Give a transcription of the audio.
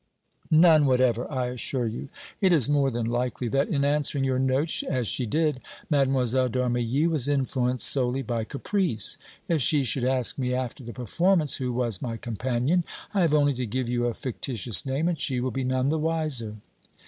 "None whatever, I assure you. It is more than likely that, in answering your note as she did, Mlle. d' Armilly was influenced solely by caprice. If she should ask me after the performance who was my companion, I have only to give you a fictitious name and she will be none the wiser."